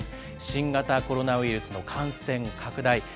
新型コロナウイルスの感染拡大。